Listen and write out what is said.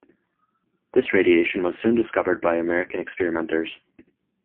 This radiation was soon discovered by American experimenters.